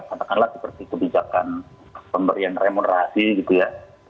katakanlah seperti kebijakan pemberian remunerasi gitu ya